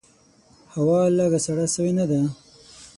هوا لږ سړه سوي نده؟